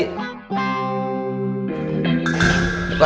lo duluan dari tadi